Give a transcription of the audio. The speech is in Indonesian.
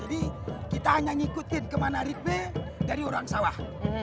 jadi kita hanya ngikutin kemana ritme dari orang sawah